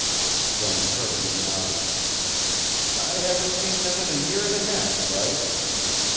John Cardigan nodded. "I haven't seen them in a year and a half, Bryce.